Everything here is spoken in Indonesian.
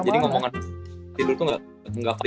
jadi ngomongan tidur tuh nggak